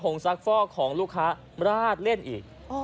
งซักฟอกของลูกค้าราดเล่นอีก